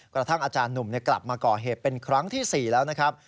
กระทั่งอาจารย์หนุ่มกลับมาก่อเหตุเป็นครั้งที่๔แล้วนะครับ